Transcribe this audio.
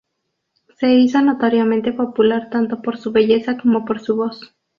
Se hizo notoriamente popular tanto por su belleza como por su voz.